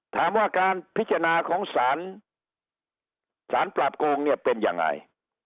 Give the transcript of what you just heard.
ถามว่าการพิจารณาของสารสารปราบโกงเนี่ยเป็นยังไง